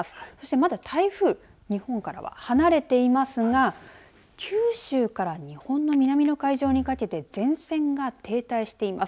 まだ台風日本からは離れていますが九州から日本の南の海上にかけて前線が停滞しています。